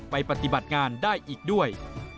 ปฏิบัติงานได้อีกด้วย